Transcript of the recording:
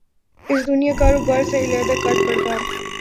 اس دنیا کاروبار سے علیحدہ کر پڑ گا